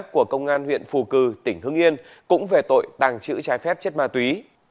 của công an huyện phù cử tỉnh hưng yên cũng về tội tàng trữ trái phép chất ma túy